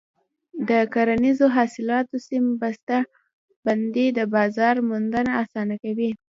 د کرنیزو حاصلاتو سم بسته بندي د بازار موندنه اسانه کوي.